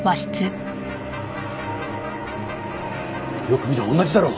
よく見ろ。